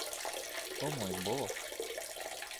О мой бог!